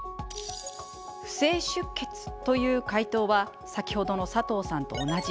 不正出血という回答は先ほどの佐藤さんと同じ。